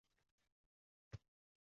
Hovlimizda bir tup o‘rik bo‘lardi.